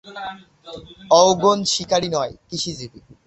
অওগণ শিকারি নয়, কৃষিজীবী।